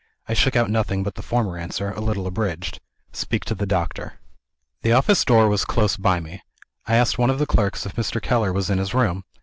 I shook out nothing but the former answer, a little abridged: "Speak to the doctor." The office door was close by me. I asked one of the clerks if Mr. Keller was in his room.